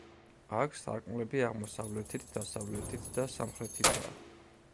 აქ სარკმლები აღმოსავლეთით, დასავლეთით და სამხრეთითაა.